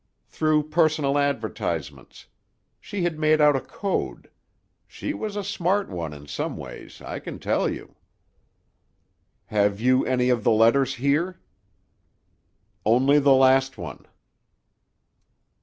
"Through personal advertisements. She had made out a code. She was a smart one in some ways, I can tell you." "Have you any of the letters here?" "Only the last one."